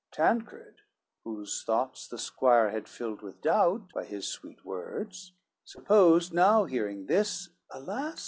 CXIV Tancred, whose thoughts the squire had filled with doubt By his sweet words, supposed now hearing this, Alas!